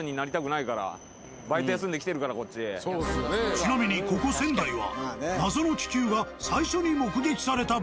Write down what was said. ちなみにここ仙台は謎の気球が最初に目撃された場所。